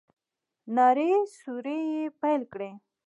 نارې سورې يې پيل کړې.